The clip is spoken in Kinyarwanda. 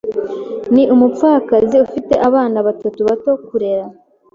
Ni umupfakazi ufite abana batatu bato kurera.